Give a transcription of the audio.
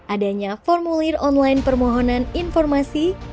adanya formulir online permohonan informasi